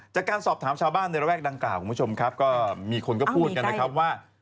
จากการสอบถามชาวบ้านในระวักษณ์ดังกล่าวของผู้ชมมีคนก็ว่า